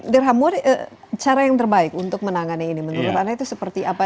dirhamuri cara yang terbaik untuk menangani ini menurut anda itu seperti apa